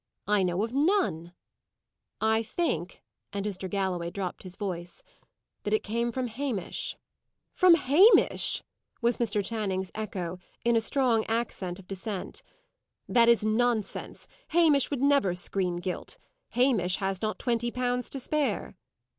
"I know of none." "I think" and Mr. Galloway dropped his voice "that it came from Hamish." "From Hamish!" was Mr. Channing's echo, in a strong accent of dissent. "That is nonsense. Hamish would never screen guilt. Hamish has not twenty pounds to spare."